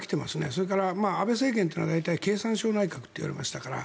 それから安倍政権は大体、経産省内閣といわれましたから。